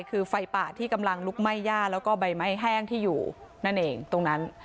คือไฟป่าที่กำลังลุกไหม้ย่าแล้วก็ใบไม้แห้งที่อยู่นั่นเองตรงนั้น